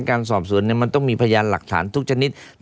การสอบสวนมันต้องมีพยานหลักฐานทุกชนิด